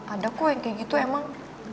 ada kok yang kayak gitu emang